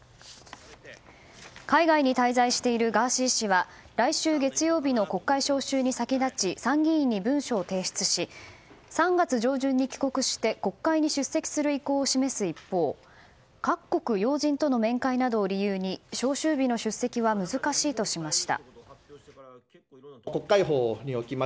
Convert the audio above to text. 海外に滞在しているガーシー氏は来週月曜日の国会召集に先立ち参議院に文書を提出し３月上旬に帰国して国会に出席する意向を示す一方各国要人との面会を理由に召集日の出席は難しいとしました。